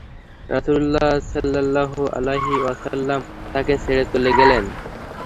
রাসূলুল্লাহ সাল্লাল্লাহু আলাইহি ওয়াসাল্লাম তাকে ছেড়ে চলে গেলেন।